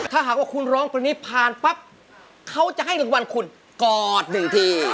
ถ้าหากว่าคุณร้องคนนี้ผ่านปั๊บเขาจะให้รางวัลคุณกอดหนึ่งที